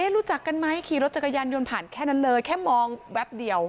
รู้จักกันไหมขี่รถจักรยานยนต์ผ่านแค่นั้นเลยแค่มองแวบเดียว